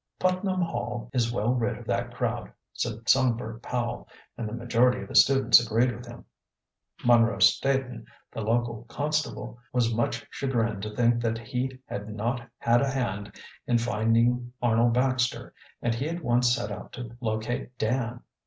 "Putnam Hall is well rid of that crowd," said Songbird Powell, and the majority of the students agreed with him. Munro Staton, the local constable, was much chagrined to think that he had not had a hand in finding Arnold Baxter, and he at once set out to locate Dan.